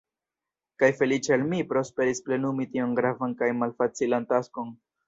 Kaj feliĉe al mi prosperis plenumi tiun gravan kaj malfacilan taskon.